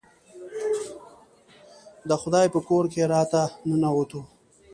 د خدای په کور کې راته ننوتو.